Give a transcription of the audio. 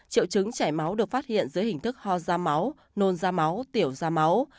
triệu chứng chảy máu được phát hiện dưới hình thức ho da máu nôn da máu tiểu ra máu